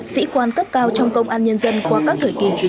sĩ quan cấp cao trong công an nhân dân qua các thời kỳ